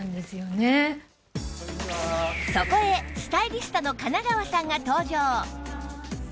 そこへスタイリストの金川さんが登場